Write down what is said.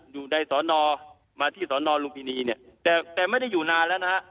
อยู่ในสอนอมาที่สอนอลุมพินีเนี่ยแต่แต่ไม่ได้อยู่นานแล้วนะฮะ